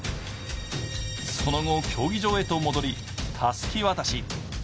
その後競技場へと戻り、たすき渡し。